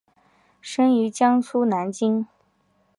生于江苏南京。